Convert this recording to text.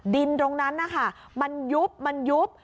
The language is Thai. ดินตรงนั้นนะคะมันยุบมันยุบ